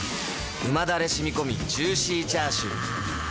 うまダレしみこみジューシーチャーシュー